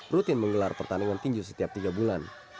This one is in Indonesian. rutin menggelar pertandingan tinju setiap tiga bulan